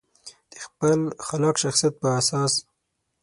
د خپل خلاق شخصیت په اساس.